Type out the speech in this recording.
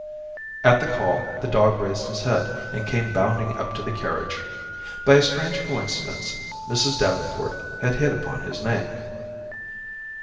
At the call, the dog raised his head and came bounding up to the carriage. By a strange coincidence, Mrs. Davenport had hit upon his name.